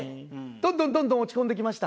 どんどんどんどん落ち込んでいきました。